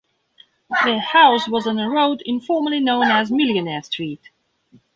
Their house was on a road informally known as "Millionaire Street".